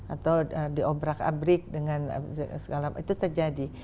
atau diobrak abrik dengan segala itu terjadi